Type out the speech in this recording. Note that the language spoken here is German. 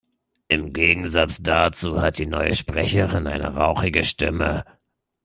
Im Gegensatz dazu hat die neue Sprecherin eine rauchige Stimme.